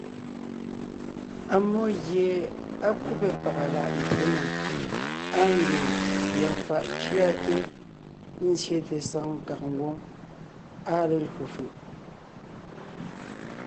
Ammó gie á kúbe pàga láʼ mbyěnèm, áa ngie yɔɔn fàʼ cʉate nzyete saŋ kàg ngwóŋ, áa lelÿò fʉ̀ʼ.